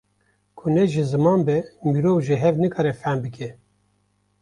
Ku ne ji ziman be mirov ji hev nikare fehm bike